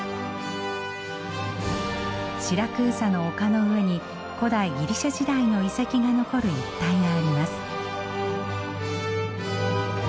シラクーサの丘の上に古代ギリシャ時代の遺跡が残る一帯があります。